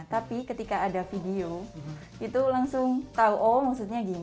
tapi ketika ada video itu langsung tahu oh maksudnya gini